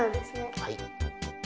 はい。